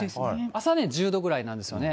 朝ね、１０度くらいなんですよね。